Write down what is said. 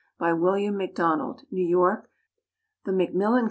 By William MacDonald. New York: The Macmillan Co.